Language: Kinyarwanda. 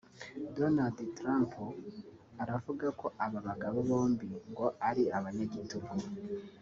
Donald Trump aravuga ko aba bagabo bombi ngo ari abanyagitugu